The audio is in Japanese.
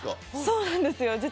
そうなんですよ。